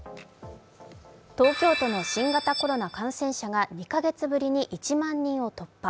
東京都の新型コロナ感染者が２カ月ぶりに１万人を突破。